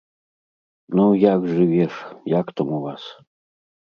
Ну, як жывеш, як там у вас?